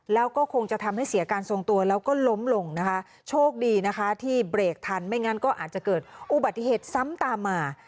แล้วก็คงจะทำให้เสียการทรงตัวแล้วก็ล้มลงนะคะโชคดีนะคะที่เบรกทันไม่งั้นก็อาจจะเกิดอุบัติเหตุซ้ำตามมา